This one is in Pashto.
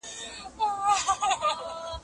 ډیپلوماټان چیرته د قانون واکمني پیاوړي کوي؟